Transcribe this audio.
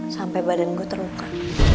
sampai badan gue terluka